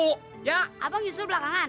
gigi tuh yang nyusul belakangan